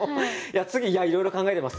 次いろいろ考えてます。